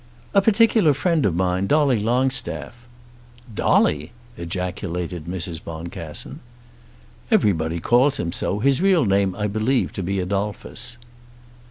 "A particular friend of mine Dolly Longstaff." "Dolly!" ejaculated Mrs. Boncassen. "Everybody calls him so. His real name I believe to be Adolphus."